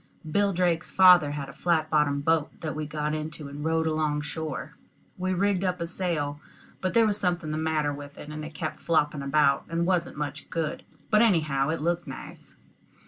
Bill Drake's father had a flat bottomed boat that we got into and rowed along shore. We rigged up a sail; but there was something the matter with it, and it kept flopping about, and wasn't much good, but anyhow it looked nice.